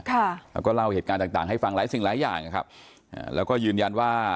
เขาก็เล่าเผลอให้ฟังหลายสิ่งหลายอย่างแล้วก็ยืนยันว่า